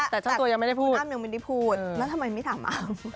แต่เจ้าตัวยังไม่ได้พูดอ้ามยังไม่ได้พูดแล้วทำไมไม่ถามอ้ำ